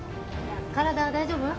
体は大丈夫？